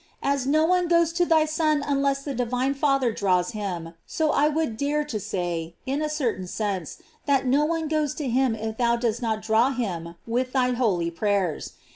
As no one goes to thy Son unless the divine Father draws him, so I would dare to say, in a certain sense, that no one goes to him if thou dost not draw him with thy holy prayers.